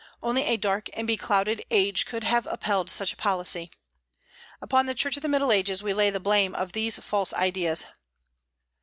Only a dark and beclouded age could have upheld such a policy. Upon the Church of the Middle Ages we lay the blame of these false ideas.